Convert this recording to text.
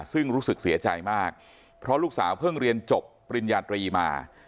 ซึ่งรู้สึกเสียใจมากเพราะลูกสาวเพิ่งเรียนจบปริญญาตรีมา